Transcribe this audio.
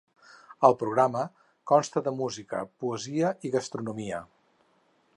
El programa consta de música, poesia i gastronomia.